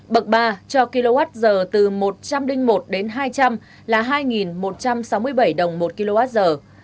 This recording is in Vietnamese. bậc ba cho kwh từ một trăm linh một đến hai trăm linh là hai một trăm sáu mươi bảy đồng một kwh